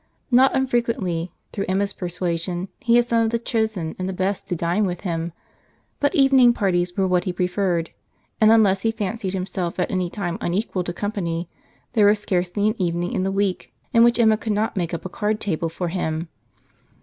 Not unfrequently, through Emma's persuasion, he had some of the chosen and the best to dine with him: but evening parties were what he preferred; and, unless he fancied himself at any time unequal to company, there was scarcely an evening in the week in which Emma could not make up a card table for him.